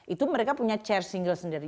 itu mereka punya chair single sendiri